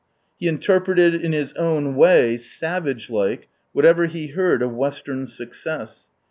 He interpreted in his own way, savage like, whatever he heard of western success.